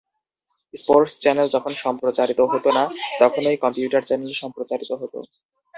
Sports channel যখন সম্প্রচারিত হত না, তখনই কম্পিউটার চ্যানেল সম্প্রচারিত হত।